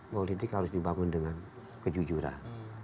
politik harus dibangun dengan kejujuran